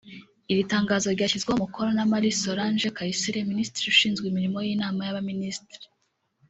Iri tangazo ryashyizweho umukono na Marie Solange Kayisire Minisitiri ushinzwe Imirimo y’Inama y’Abaminisitiri